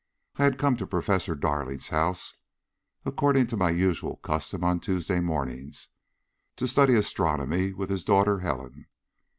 I had come to Professor Darling's house, according to my usual custom on Tuesday mornings, to study astronomy with his daughter Helen.